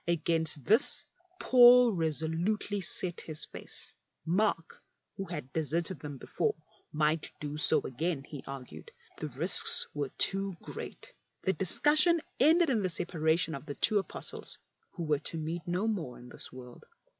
Against this Paul resolutely set his face. Mark, who THE OLD LAW OR THE NEW ? 57 had deserted them before, might do so again, he argued; the risks were too great. The discussion ended in the separation of the two Apostles, who were to meet no more in this world.